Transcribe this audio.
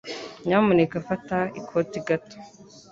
Nyamuneka fata ikoti gato.